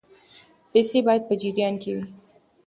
پیسې باید په جریان کې وي.